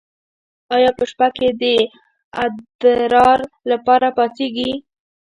ایا په شپه کې د ادرار لپاره پاڅیږئ؟